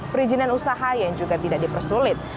perizinan usaha yang juga tidak dipersulit